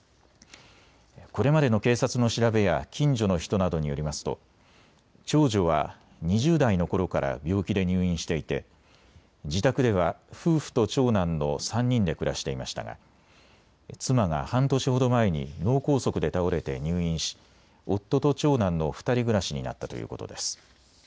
これまでの警察の調べや近所の人などによりますと長女は２０代のころから病気で入院していて自宅では夫婦と長男の３人で暮らしていましたが妻が半年ほど前に脳梗塞で倒れて入院し、夫と長男の２人暮らしになったということです。